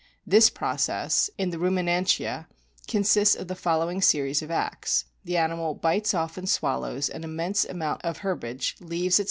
This process (in the Rumi nantia) consists of the following series of acts. The animal bites off and swallows an immense amount of herbage, leaves, etc.